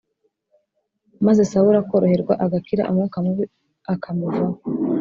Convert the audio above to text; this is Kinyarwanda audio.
maze Sawuli akoroherwa agakira umwuka mubi akamuvaho.